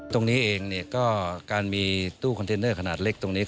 ตรงนี้เองเนี่ยก็การมีตู้คอนเทนเนอร์ขนาดเล็กตรงนี้